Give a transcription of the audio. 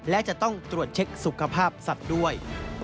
และจะต้องตรวจเช็คสุขภาพสัตว์ด้วย